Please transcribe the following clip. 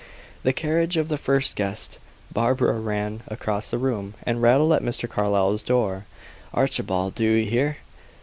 The carriage of the first guest. Barbara ran across the room, and rattled at Mr. Carlyle's door. "Archibald do you hear?"